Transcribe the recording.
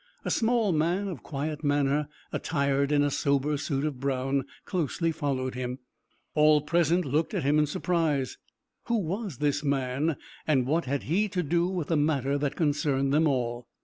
A small man of quiet manner, attired in a sober suit of brown, closely followed him. All present looked at him in surprise. Who was this man, and what had he to do with the matter that concerned them all?